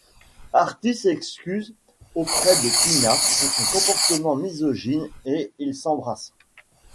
Artie s'excuse auprès de Tina pour son comportement misogyne et ils s'embrassent.